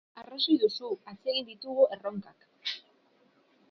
Arrazoi duzu, atsegin ditugu erronkak.